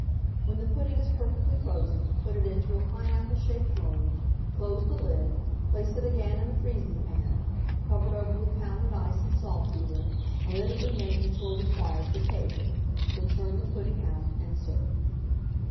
When the pudding is perfectly frozen, put it into a pineapple shaped mould; close the lid, place it again in the freezing pan, covered over with pounded ice and saltpetre, and let it remain until required for table; then turn the pudding out, and serve.